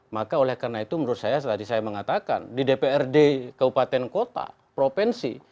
maka oleh karena itu menurut saya tadi saya mengatakan di dprd kabupaten kota provinsi